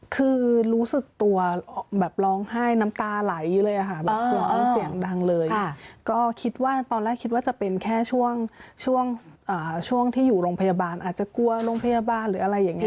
คือรู้สึกตัวแบบร้องไห้น้ำตาไหลเลยค่ะแบบร้องเสียงดังเลยก็คิดว่าตอนแรกคิดว่าจะเป็นแค่ช่วงที่อยู่โรงพยาบาลอาจจะกลัวโรงพยาบาลหรืออะไรอย่างนี้